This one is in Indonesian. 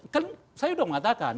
kan saya udah mengatakan